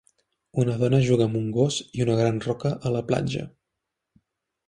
Una dona juga amb un gos i una gran roca a la platja.